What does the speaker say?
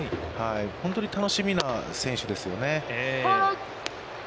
本当に楽しみな選手ですよね。